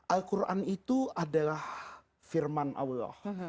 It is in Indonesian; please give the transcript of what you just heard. al quran itu adalah firman allah